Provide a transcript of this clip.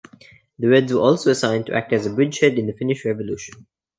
The Reds were also assigned to act as a bridgehead in the Finnish revolution.